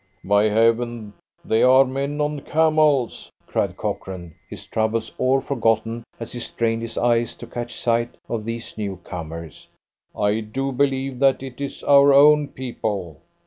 "By Heaven, they are men on camels!" cried Cochrane, his troubles all forgotten as he strained his eyes to catch sight of these new comers. "I do believe that it is our own people."